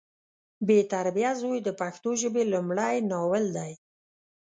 بې تربیه زوی د پښتو ژبې لمړی ناول دی